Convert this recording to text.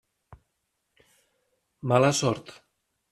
Mala sort.